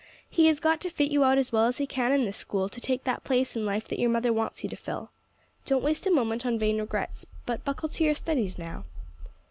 He has got to fit you out as well as he can in this school, to take that place in life that your mother wants you to fill. Don't waste a moment on vain regrets, but buckle to your studies now."